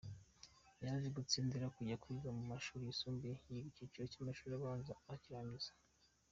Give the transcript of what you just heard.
Yaje gutsindira kujya kwiga mu mashuri yisumbuye, yiga icyiciro cy’amashuri abanza arakirangiza.